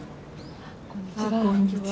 ああこんにちは。